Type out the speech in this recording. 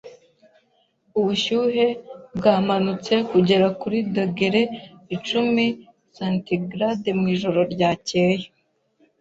Ubushyuhe bwamanutse kugera kuri dogere icumi centigrade mwijoro ryakeye.